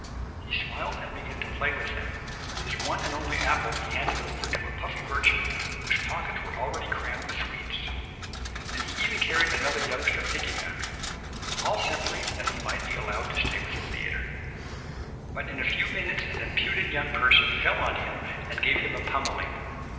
He smiled and began to play with them. His one and only apple he handed over to a puffy urchin whose pockets were already crammed with sweets, and he even carried another youngster pickaback all simply that he might be allowed to stay with the theatre. But in a few moments an impudent young person fell on him and gave him a pummelling.